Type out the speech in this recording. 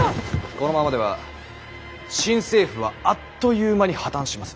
このままでは新政府はあっという間に破綻します。